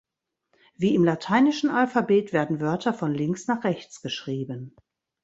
Wie im lateinischen Alphabet werden Wörter von links nach rechts geschrieben.